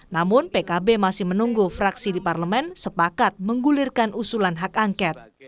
namun pkb masih menunggu fraksi di parlemen sepakat menggulirkan usulan hak angket